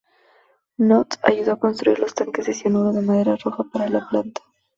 Knott ayudó a construir los tanques de cianuro de madera roja para la planta.